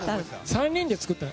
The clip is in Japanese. ３人で作ったの。